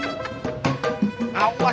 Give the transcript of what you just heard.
jeb ada konduk score